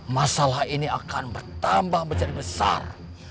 masalah ini akan bertambah menjadi besar